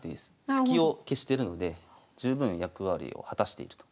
スキを消してるので十分役割を果たしていると。